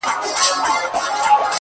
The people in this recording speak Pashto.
ورځيني ليري گرځــم ليــري گــرځــــم؛